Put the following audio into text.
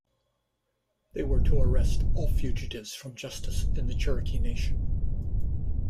They were to arrest all fugitives from justice in the Cherokee Nation.